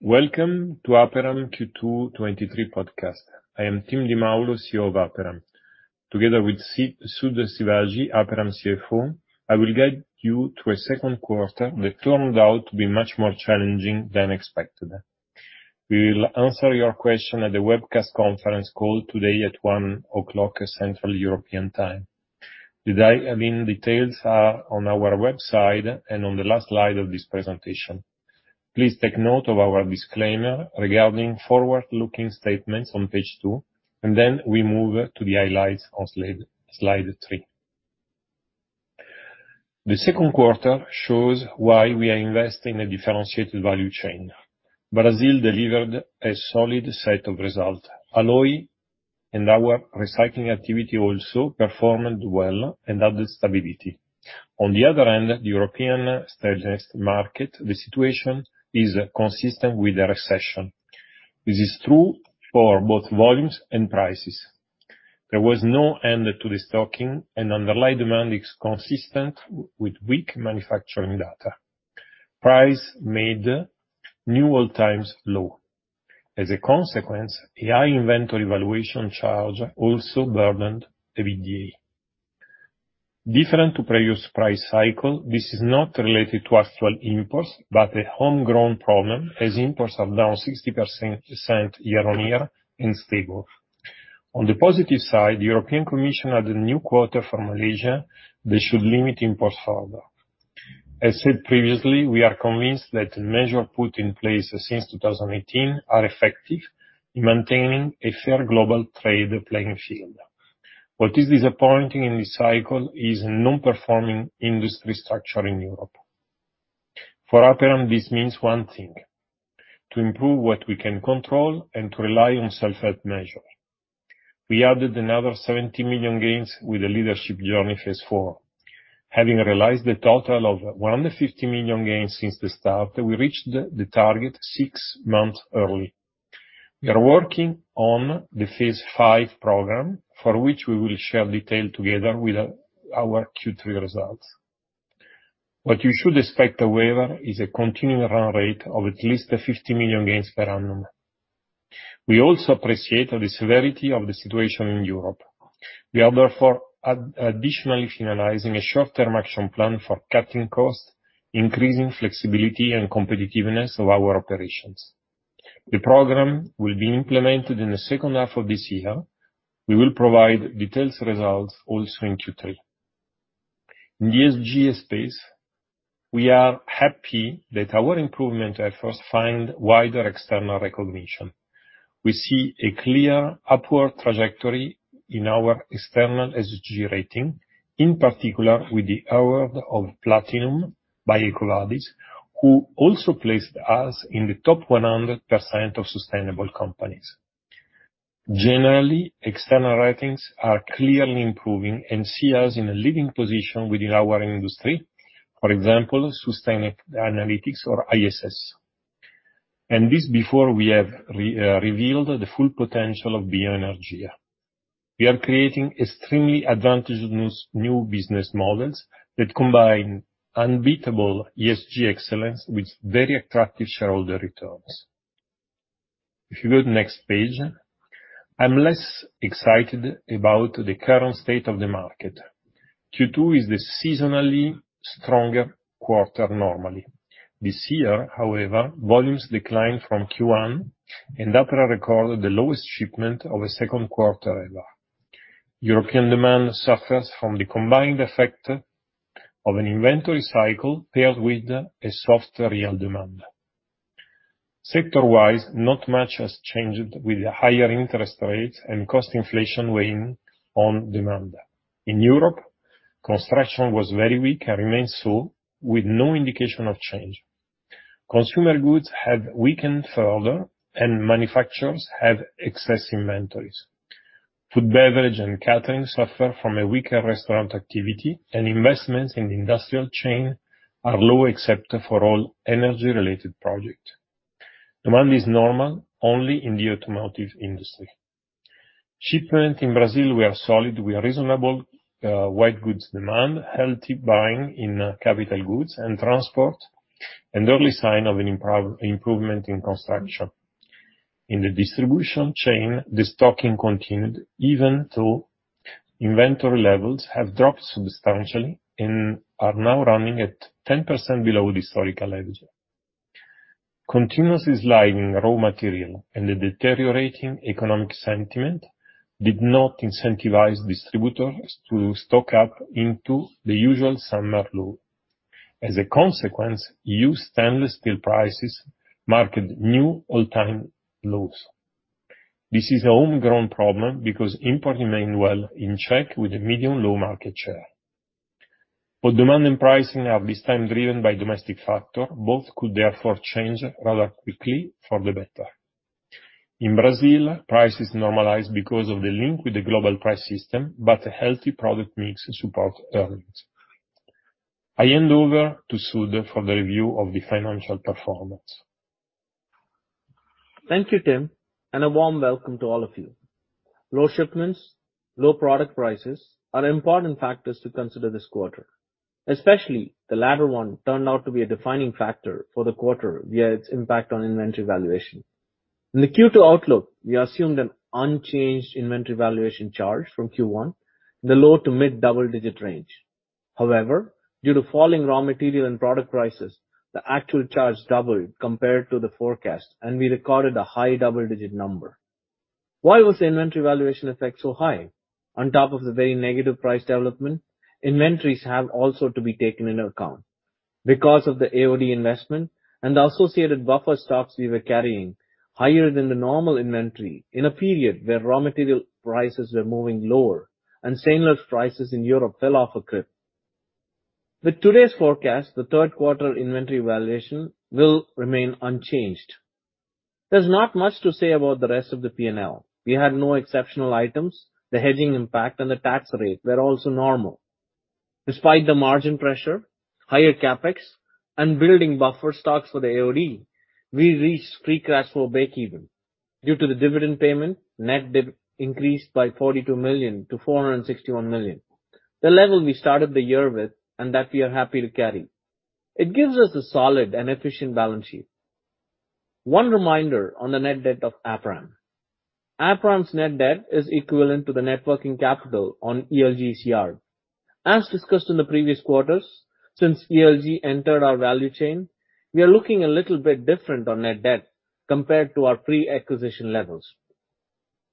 Welcome to Aperam Q2 2023 podcast. I am Tim Di Maulo, CEO of Aperam. Together with Sudhakar Sivaji, Aperam CFO, I will guide you to a second quarter that turned out to be much more challenging than expected. We will answer your question at the webcast conference call today at 1:00 P.M., Central European Time. I mean, details are on our website and on the last slide of this presentation. Please take note of our disclaimer regarding forward-looking statements on page two, then we move to the highlights on slide three. The second quarter shows why we are investing in a differentiated value chain. Brazil delivered a solid set of results. Alloy and our recycling activity also performed well and added stability. On the other hand, the European stainless market, the situation is consistent with the recession. This is true for both volumes and prices. There was no end to the stocking, and underlying demand is consistent with weak manufacturing data. Price made new all-times low. As a consequence, inventory valuation charge also burdened the EBITDA. Different to previous price cycle, this is not related to actual imports, but a homegrown problem, as imports are down 60% year-over-year and stable. On the positive side, the European Commission had a new quota from Malaysia that should limit imports further. As said previously, we are convinced that the measure put in place since 2018 are effective in maintaining a fair global trade playing field. What is disappointing in this cycle is non-performing industry structure in Europe. For Aperam, this means one thing: to improve what we can control and to rely on self-help measures. We added another 70 million gains with the Leadership Journey Phase IV. Having realized a total of 150 million gains since the start, we reached the target six months early. We are working on the Phase V program, for which we will share detail together with our Q3 results. What you should expect, however, is a continuing run rate of at least 50 million gains per annum. We also appreciate the severity of the situation in Europe. We are therefore additionally finalizing a short-term action plan for cutting costs, increasing flexibility and competitiveness of our operations. The program will be implemented in the second half of this year. We will provide detailed results also in Q3. In the ESG space, we are happy that our improvement efforts find wider external recognition. We see a clear upward trajectory in our external ESG rating, in particular with the award of Platinum by EcoVadis, who also placed us in the top 100% of sustainable companies. Generally, external ratings are clearly improving and see us in a leading position within our industry. For example, Sustainalytics or ISS. This before we have revealed the full potential of BioEnergia. We are creating extremely advantageous new business models that combine unbeatable ESG excellence with very attractive shareholder returns. If you go to next page, I'm less excited about the current state of the market. Q2 is the seasonally stronger quarter normally. This year, however, volumes declined from Q1, and Aperam recorded the lowest shipment of the second quarter ever. European demand suffers from the combined effect of an inventory cycle, paired with a soft real demand. Sector-wise, not much has changed with the higher interest rates and cost inflation weighing on demand. In Europe, construction was very weak and remains so, with no indication of change. Consumer goods have weakened further, and manufacturers have excess inventories. Food, beverage, and catering suffer from a weaker restaurant activity, and investments in the industrial chain are low, except for all energy-related project. Demand is normal only in the automotive industry. Shipment in Brazil, we are solid, we are reasonable, white goods demand, healthy buying in capital goods and transport, and early sign of an improvement in construction. In the distribution chain, the stocking continued, even though inventory levels have dropped substantially and are now running at 10% below the historical average. Continuous slide in raw material and the deteriorating economic sentiment did not incentivize distributors to stock up into the usual summer low. As a consequence, used stainless steel prices marked new all-time lows. This is a homegrown problem because imports remain well in check with a medium low market share. Both demand and pricing are this time driven by domestic factor. Both could therefore change rather quickly for the better. In Brazil, prices normalized because of the link with the global price system, a healthy product mix support earnings. I hand over to Sudha for the review of the financial performance. Thank you, Tim, and a warm welcome to all of you. Low shipments, low product prices are important factors to consider this quarter, especially the latter one turned out to be a defining factor for the quarter, via its impact on inventory valuation. In the Q2 outlook, we assumed an unchanged inventory valuation charge from Q1, the low to mid-double-digit range. However, due to falling raw material and product prices, the actual charge doubled compared to the forecast, and we recorded a high double-digit number. Why was the inventory valuation effect so high? On top of the very negative price development, inventories have also to be taken into account. Because of the AOD investment and the associated buffer stocks we were carrying, higher than the normal inventory in a period where raw material prices were moving lower and stainless prices in Europe fell off a cliff. With today's forecast, the third quarter inventory valuation will remain unchanged. There's not much to say about the rest of the P&L. We had no exceptional items. The hedging impact and the tax rate were also normal. Despite the margin pressure, higher CapEx, and building buffer stocks for the AOD, we reached free cash flow breakeven. Due to the dividend payment, net debt increased by 42 million-461 million, the level we started the year with, and that we are happy to carry. It gives us a solid and efficient balance sheet. One reminder on the net debt of Aperam. Aperam's net debt is equivalent to the net working capital on ELG CR. As discussed in the previous quarters, since ELG entered our value chain, we are looking a little bit different on net debt compared to our pre-acquisition levels.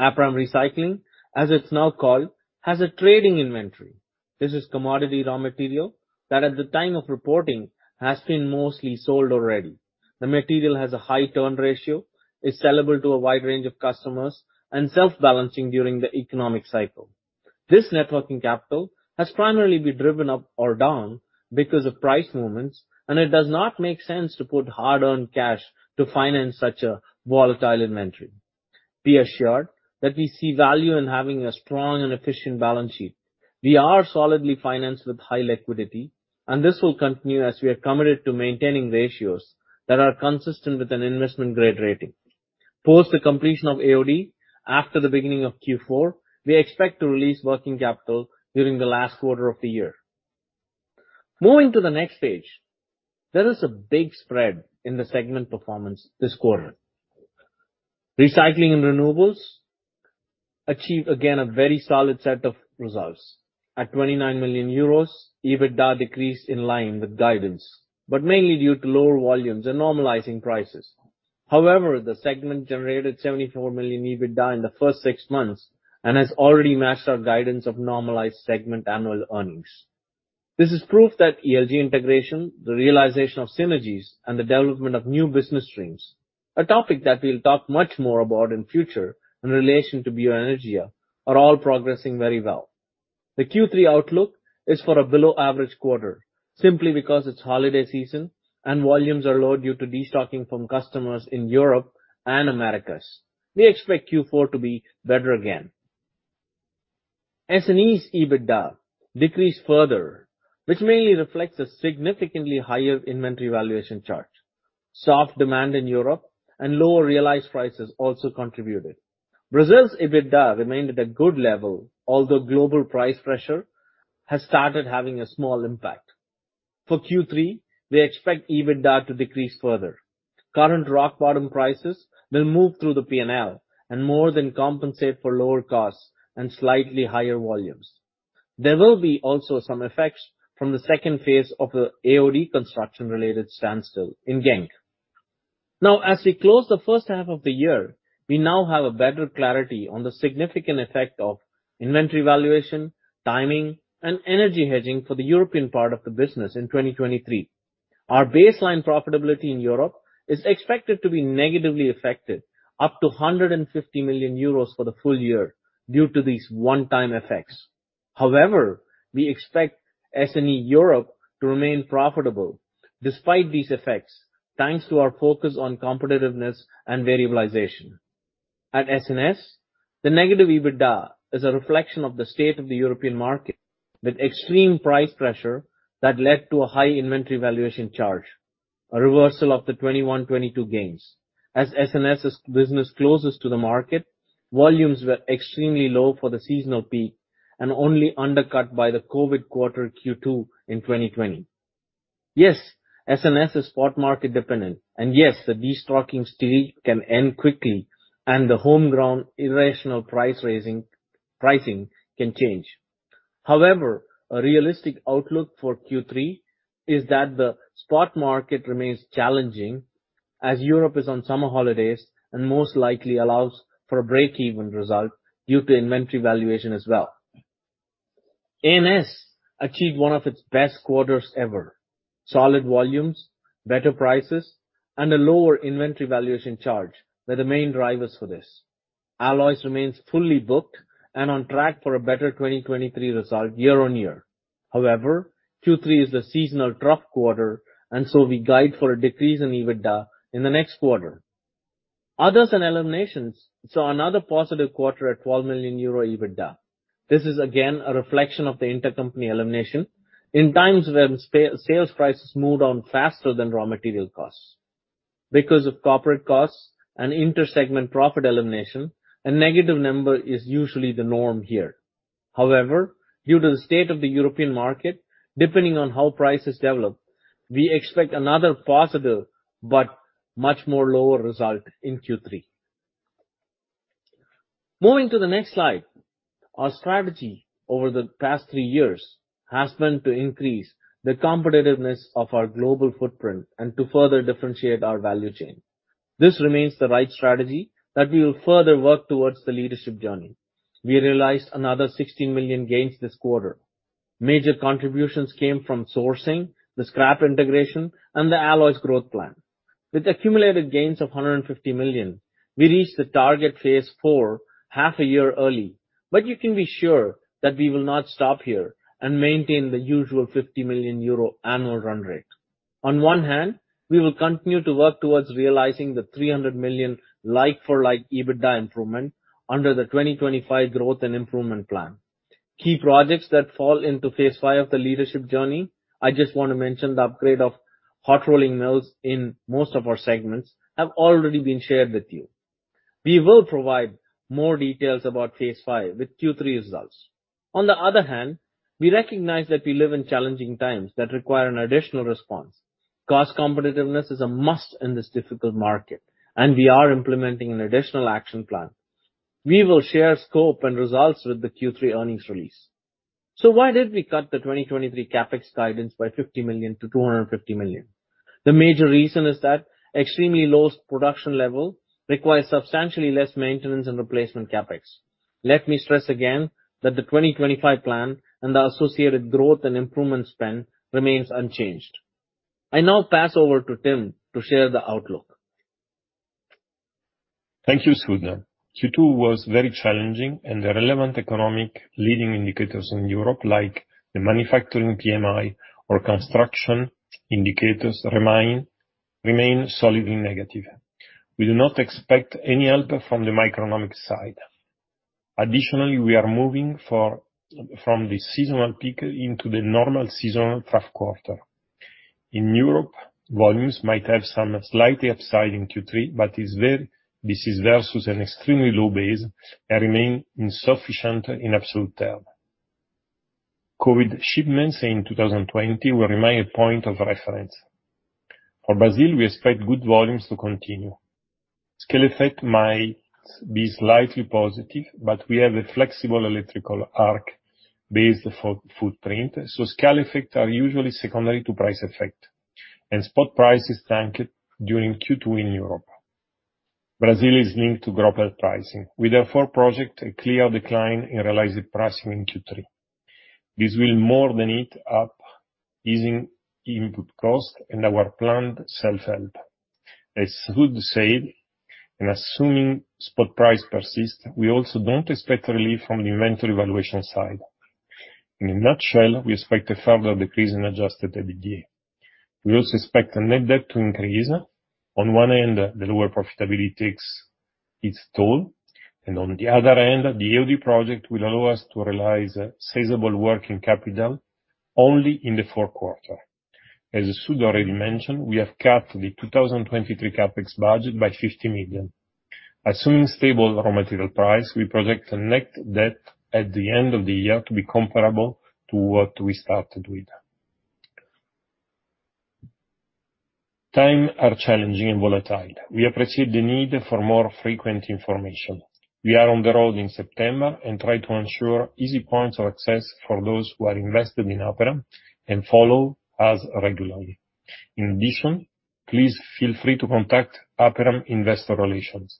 Aperam Recycling, as it's now called, has a trading inventory. This is commodity raw material that, at the time of reporting, has been mostly sold already. The material has a high turn ratio, is sellable to a wide range of customers, and self-balancing during the economic cycle. This networking capital has primarily been driven up or down because of price movements. It does not make sense to put hard-earned cash to finance such a volatile inventory. Be assured that we see value in having a strong and efficient balance sheet. We are solidly financed with high liquidity, and this will continue as we are committed to maintaining ratios that are consistent with an investment-grade rating. Post the completion of AOD, after the beginning of Q4, we expect to release working capital during the last quarter of the year. Moving to the next page. There is a big spread in the segment performance this quarter. Recycling and Renewables achieved, again, a very solid set of results. At 29 million euros, EBITDA decreased in line with guidance, but mainly due to lower volumes and normalizing prices. The segment generated 74 million EBITDA in the first six months and has already matched our guidance of normalized segment annual earnings. This is proof that ELG integration, the realization of synergies, and the development of new business streams, a topic that we'll talk much more about in future in relation to bioenergy, are all progressing very well. The Q3 outlook is for a below-average quarter, simply because it's holiday season and volumes are low due to destocking from customers in Europe and Americas. We expect Q4 to be better again. S&E's EBITDA decreased further, which mainly reflects a significantly higher inventory valuation charge. Soft demand in Europe and lower realized prices also contributed. Brazil's EBITDA remained at a good level, although global price pressure has started having a small impact. For Q3, we expect EBITDA to decrease further. Current rock bottom prices will move through the P&L and more than compensate for lower costs and slightly higher volumes. There will be also some effects from the second phase of the AOD construction-related standstill in Genk. As we close the first half of the year, we now have a better clarity on the significant effect of inventory valuation, timing, and energy hedging for the European part of the business in 2023. Our baseline profitability in Europe is expected to be negatively affected, up to 150 million euros for the full year due to these one-time effects. We expect S&E Europe to remain profitable despite these effects, thanks to our focus on competitiveness and variabilization. At SNS, the negative EBITDA is a reflection of the state of the European market, with extreme price pressure that led to a high inventory valuation charge, a reversal of the 2021, 2022 gains. As SNS's business closes to the market, volumes were extremely low for the seasonal peak and only undercut by the COVID quarter Q2 in 2020. Yes, SNS is spot market dependent, and yes, the destocking streak can end quickly, and the home ground irrational pricing can change. A realistic outlook for Q3 is that the spot market remains challenging, as Europe is on summer holidays, and most likely allows for a break-even result due to inventory valuation as well. ANS achieved one of its best quarters ever. Solid volumes, better prices, and a lower inventory valuation charge were the main drivers for this. Alloys remains fully booked and on track for a better 2023 result year-over-year. Q3 is the seasonal trough quarter, and so we guide for a decrease in EBITDA in the next quarter. Others and eliminations saw another positive quarter at 12 million euro EBITDA. This is again, a reflection of the intercompany elimination in times when sales prices move down faster than raw material costs. Because of corporate costs and inter-segment profit elimination, a negative number is usually the norm here. Due to the state of the European market, depending on how prices develop, we expect another positive but much more lower result in Q3. Moving to the next slide, our strategy over the past 3 years has been to increase the competitiveness of our global footprint and to further differentiate our value chain. This remains the right strategy that we will further work towards the Leadership Journey. We realized another 16 million gains this quarter. Major contributions came from sourcing, the scrap integration, and the alloys growth plan. With accumulated gains of 150 million, we reached the target Phase IV half a year early. You can be sure that we will not stop here and maintain the usual 50 million euro annual run rate. On one hand, we will continue to work towards realizing the 300 million like-for-like EBITDA improvement under the twenty twenty-five growth and improvement plan. Key projects that fall into Leadership Journey Phase V, I just want to mention the upgrade of hot rolling mills in most of our segments, have already been shared with you. We will provide more details about Leadership Journey Phase V with Q3 results. On the other hand, we recognize that we live in challenging times that require an additional response. Cost competitiveness is a must in this difficult market, and we are implementing an additional action plan. We will share scope and results with the Q3 earnings release. Why did we cut the 2023 CapEx guidance by 50 million-250 million? The major reason is that extremely low production level requires substantially less maintenance and replacement CapEx. Let me stress again that the 2025 plan and the associated growth and improvement spend remains unchanged. I now pass over to Tim to share the outlook. Thank you, Sudha. Q2 was very challenging. The relevant economic leading indicators in Europe, like the manufacturing PMI or construction indicators, remain solidly negative. We do not expect any help from the microeconomic side. Additionally, we are moving from the seasonal peak into the normal seasonal fourth quarter. In Europe, volumes might have some slightly upside in Q3. This is versus an extremely low base and remain insufficient in absolute term. COVID shipments in 2020 will remain a point of reference. For Brazil, we expect good volumes to continue. Scale effect might be slightly positive. We have a flexible electric arc furnace for footprint, so scale effects are usually secondary to price effect. Spot prices tanked during Q2 in Europe. Brazil is linked to global pricing. We therefore project a clear decline in realized pricing in Q3. This will more than eat up easing input costs and our planned self-help. As Sudha said, in assuming spot price persist, we also don't expect relief from the inventory valuation side. In a nutshell, we expect a further decrease in adjusted EBITDA. We also expect the net debt to increase. On one end, the lower profitability takes its toll, and on the other end, the AOD project will allow us to realize sizeable working capital only in the fourth quarter. As Sudha already mentioned, we have cut the 2023 CapEx budget by 50 million. Assuming stable raw material price, we project the net debt at the end of the year to be comparable to what we started with. Times are challenging and volatile. We appreciate the need for more frequent information. We are on the road in September and try to ensure easy points of access for those who are invested in Aperam and follow us regularly. In addition, please feel free to contact Aperam Investor Relations.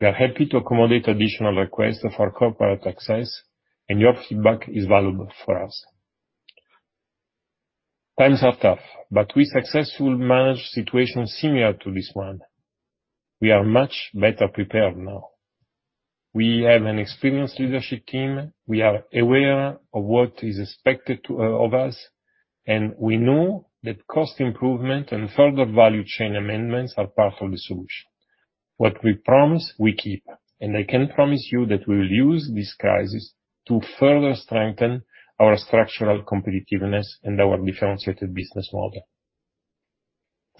We are happy to accommodate additional requests for corporate access, and your feedback is valuable for us. Times are tough, but we successfully managed situations similar to this one. We are much better prepared now. We have an experienced leadership team. We are aware of what is expected of us, and we know that cost improvement and further value chain amendments are part of the solution. What we promise, we keep, and I can promise you that we will use this crisis to further strengthen our structural competitiveness and our differentiated business model.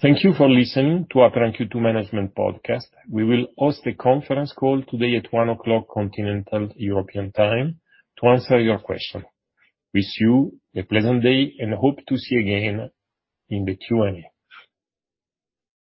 Thank you for listening to Aperam Q2 management podcast. We will host a conference call today at 1:00 P.M., Central European Time, to answer your question. Wish you a pleasant day, and hope to see you again in the Q&A.